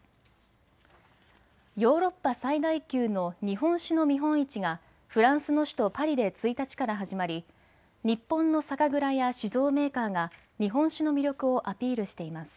ヨーロッパ最大級の日本酒の見本市がフランスの首都パリで１日から始まり日本の酒蔵や酒造メーカーが日本酒の魅力をアピールしています。